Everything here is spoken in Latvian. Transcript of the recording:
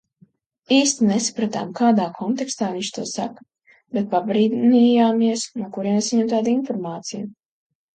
Īsti nesapratām, kādā kontekstā viņš to saka, bet pabrīnījāmies, no kurienes viņam tāda informācija.